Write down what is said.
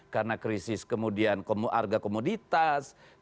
karena krisis kemudian kemuarga komoditas